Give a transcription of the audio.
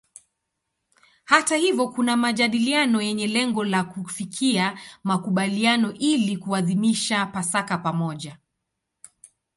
Hata hivyo kuna majadiliano yenye lengo la kufikia makubaliano ili kuadhimisha Pasaka pamoja.